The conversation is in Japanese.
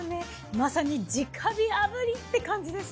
まさに直火あぶりって感じです。